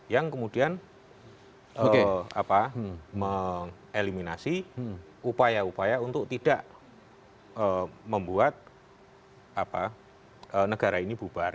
yang kemudian mengeliminasi upaya upaya untuk tidak membuat negara ini bubar